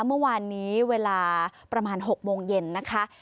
เมื่อวานนี้เวลาประมาณ๖โมงเย็นนะคะ